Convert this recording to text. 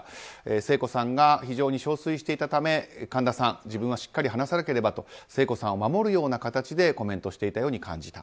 聖子さんが非常に憔悴していたため神田さん自分はしっかり話さなければと聖子さんを守るような形でコメントしていたように感じた。